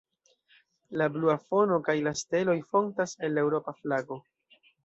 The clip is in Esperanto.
La blua fono kaj la steloj fontas el la Eŭropa flago.